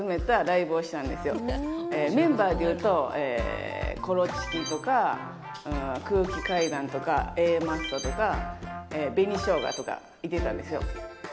メンバーでいうとコロチキとか、空気階段とかＡマッソとか紅しょうがとかいてたんですよ。